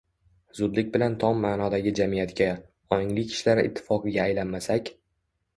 — zudlik bilan tom ma’nodagi jamiyatga — ongli kishilar ittifoqiga aylanmasak